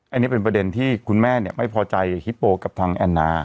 อันนี้เป็นประเด็นที่คุณแม่ไม่พอใจฮิปโปกับทางแอนนา